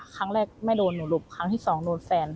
ครั้งแรกไม่โดนหนูหลบครั้งที่สองโดนแฟน